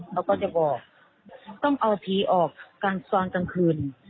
เขาก็จะบอกต้องเอาผีออกตอนกลางคืน